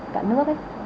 cạn nước ấy